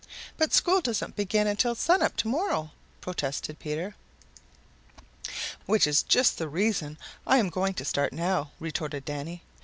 "But school doesn't begin until sun up to morrow," protested Peter. "Which is just the reason I am going to start now," retorted Danny.